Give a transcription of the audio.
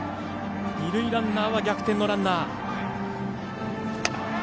二塁ランナーは逆転のランナー。